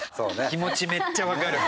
気持ちめっちゃわかる。